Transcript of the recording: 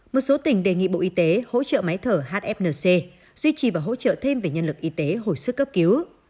một số tỉnh đề nghị bộ y tế hỗ trợ máy thở hfnc duy trì và hỗ trợ thêm về nhân lực y tế hồi sức cấp cứu